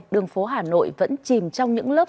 đường phố hà nội vẫn chìm trong những lớp